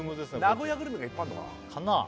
名古屋グルメがいっぱいあるのかなかなあ